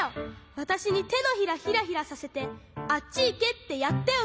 わたしにてのひらヒラヒラさせてあっちいけってやったよ